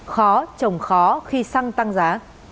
khó trồng khó khi xăng tăng giá